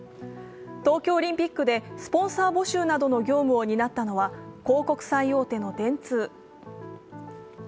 東京オリンピックでスポンサー募集などの業務を担ったのは広告最大手の電通。